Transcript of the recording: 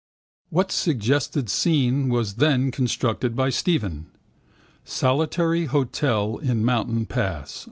What suggested scene was then constructed by Stephen? Solitary hotel in mountain pass.